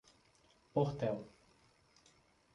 Portel